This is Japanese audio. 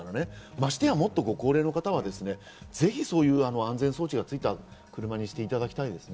ましてやもっとご高齢の方は次、そういう安全装置がついた車にしていただきたいですね。